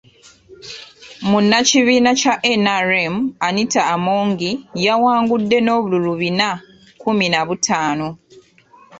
Munnakibiina kya NRM, Anita Among yawangude n’obululu bina mu kkumi na butaano.